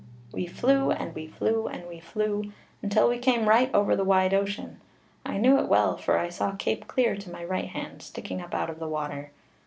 "We flew, and we flew, and we flew, until we came right over the wide ocean. I knew it well, for I saw Cape Clear to my right hand, sticking up out of the water.